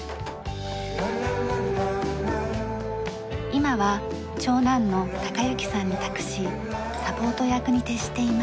今は長男の貴之さんに託しサポート役に徹しています。